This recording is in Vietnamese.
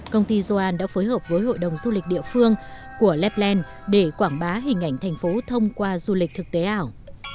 công ty zoan đã phối hợp với hội đồng du lịch địa phương của laplan để quảng bá hình ảnh thành phố thông qua du lịch thực tế ảo